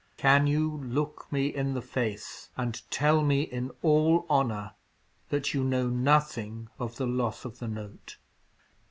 "Can you look me in the face and tell me, in all honour, that you know nothing of the loss of the note?"